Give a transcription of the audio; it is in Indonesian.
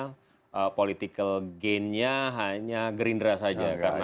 gain politiknya hanya gerindra saja